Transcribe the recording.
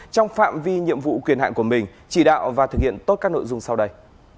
trong phạm vi nhiệm vụ quyền hạn của mình chỉ đạo và thực hiện tốt các nội dung sau đây